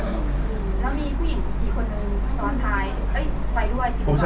แล้วมีผู้หญิงที่คุณสอนท้าย